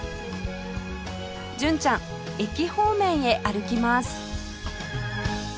純ちゃん駅方面へ歩きます